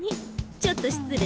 ちょっと失礼。